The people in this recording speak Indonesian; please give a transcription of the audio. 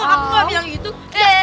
kamu kenapa ini yang duduk